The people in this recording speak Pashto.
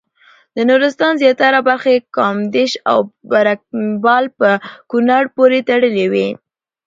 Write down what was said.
د نورستان زیاتره برخې کامدېش او برګمټال په کونړ پورې تړلې وې.